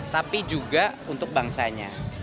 tapi juga untuk bangsanya